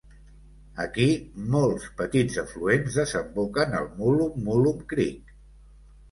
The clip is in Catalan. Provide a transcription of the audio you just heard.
Aquí molts petits afluents desemboquen al Mullum Mullum Creek.